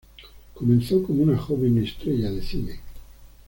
Comenzó como una joven estrella de cine.